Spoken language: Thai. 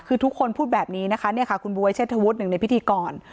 คือทุกคนพูดแบบนี้นะคะเนี่ยค่ะคุณบ๊วยเชษฐวุฒิหนึ่งในพิธีกร